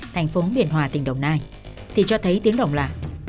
thành phố biển hòa tỉnh đồng nai thì cho thấy tiếng đồng lạ